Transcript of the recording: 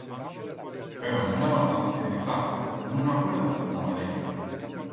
Feban la navata e dezaga, con una cuerda, la madera.